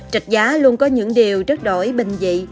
rạch giá luôn có những điều rất đổi bình dị đó là những giây phút bình tâm